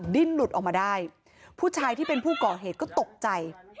ดิ้นหลุดออกมาได้ผู้ชายที่เป็นผู้ก่อเหตุก็ตกใจ